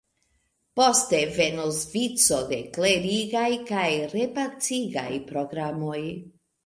Poste venos vico da klerigaj kaj repacigaj programoj.